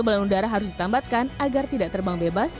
balon udara harus ditambatkan agar tidak terbang bebas